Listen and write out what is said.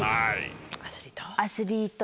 アスリート。